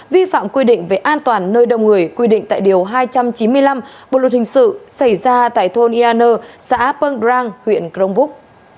vi phạm quy định về an toàn nơi đông người quy định tại điều hai trăm chín mươi năm bộ luật hình sự xảy ra tại thôn ea nu xã pâng rang huyện krongpuk